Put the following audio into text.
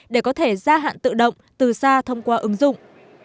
để có thể gia hạn tự động từ xa thông qua ứng dụng